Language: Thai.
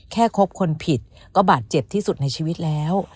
คบคนผิดก็บาดเจ็บที่สุดในชีวิตแล้ว